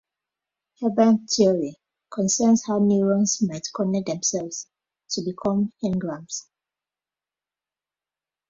Hebbian theory concerns how neurons might connect themselves to become engrams.